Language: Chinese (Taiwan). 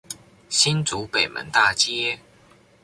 新竹北門大街